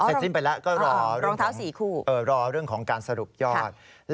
เสร็จสิ้นไปแล้วก็รอเรื่องของของการสรุปยอดรองเท้า๔คู่